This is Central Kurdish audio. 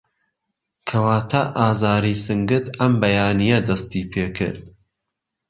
کەواته ئازاری سنگت ئەم بەیانیه دستی پێکرد